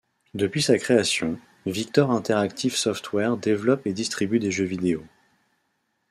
Depuis sa création, Victor Interactive Software développe et distribue des jeux vidéo.